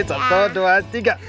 satu dua tiga